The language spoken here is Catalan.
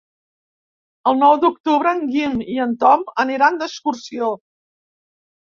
El nou d'octubre en Guim i en Tom aniran d'excursió.